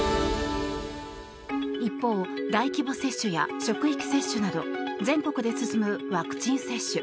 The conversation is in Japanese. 一方大規模接種や職域接種など全国で進むワクチン接種。